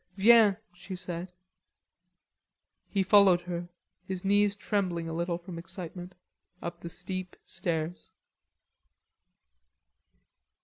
"Viens," she said. He followed her, his knees trembling a little from excitement, up the steep stairs.